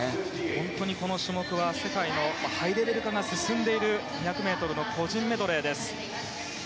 本当にこの種目は世界のハイレベル化が進んでいる２００ｍの個人メドレーです。